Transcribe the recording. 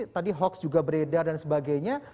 tadi hoax juga beredar dan sebagainya